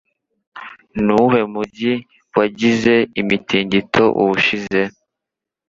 Nuwuhe mujyi wagize umutingito ubushize